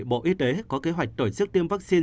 bộ y tế có kế hoạch tổ chức tiêm vaccine